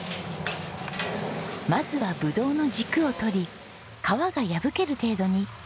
まずはブドウの軸を取り皮が破ける程度に軽く潰す除